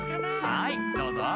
はいどうぞ。